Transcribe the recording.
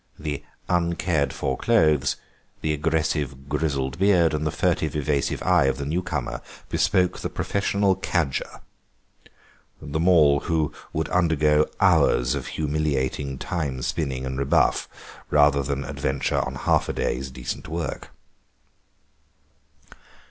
The uncared for clothes, the aggressive, grizzled beard, and the furtive, evasive eye of the new comer bespoke the professional cadger, the man who would undergo hours of humiliating tale spinning and rebuff rather than adventure on half a day's decent work.